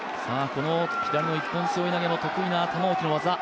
この左の一本背負い投げの得意な玉置の技。